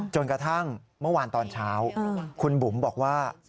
จนกระทั่งเมื่อวานตอนเช้าคุณบุ๋มบอกว่า